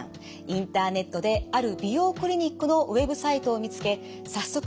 インターネットである美容クリニックのウェブサイトを見つけ早速